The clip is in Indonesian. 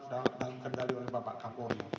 dan kendali oleh bapak kapolri